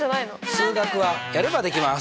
数学はやればできます！